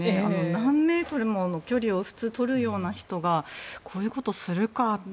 何メートルも距離を取るような人がこういうことをするかと。